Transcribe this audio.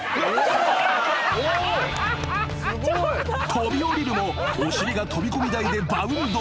［飛び降りるもお尻が飛び込み台でバウンド］